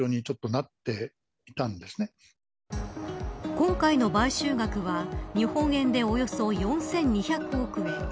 今回の買収額は日本円でおよそ４２００億円。